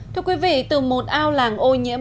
thưa quý vị từ một ao làng ô nhiễm